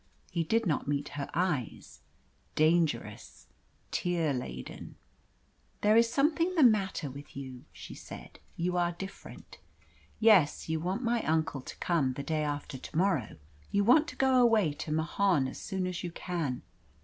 He did not meet her eyes dangerous, tear laden. "There is something the matter with you," she said. "You are different. Yes, you want my uncle to come the day after to morrow you want to go away to Mahon as soon as you can.